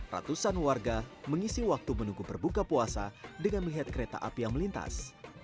ratusan warga mengisi waktu menunggu berbuka puasa dengan melihat kereta api yang melintas